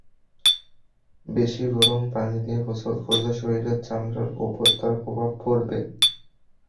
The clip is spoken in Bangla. বেশি গরম পানি দিয়ে গোসল করলে শরীরের চামড়ার ওপর তার প্রভাব পড়বে।